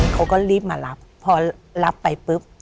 เขาก็รีบมารับพอรับไปปุ๊บ